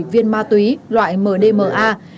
một trăm linh bảy viên ma túy loại mdma